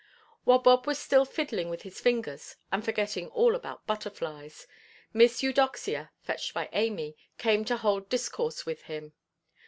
While Bob was still fiddling with his fingers, and forgetting all about butterflies, Miss Eudoxia, fetched by Amy, came to hold discourse with him.